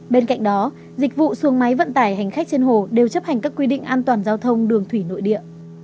bên cạnh đó dịch vụ xuồng máy vận tải hành khách trên hồ đều chấp hành các quy định an toàn giao thông đường thủy nội địa